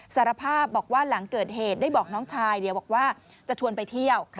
สารภาพบอกว่าหลังเกิดเหตุได้บอกน้องชายเดี๋ยวบอกว่าจะชวนไปเที่ยว